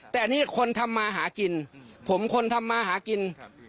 แต่อันนี้คนทำมาหากินผมคนทำมาหากิน